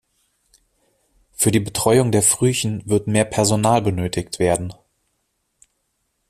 Für die Betreuung der Frühchen wird mehr Personal benötigt werden.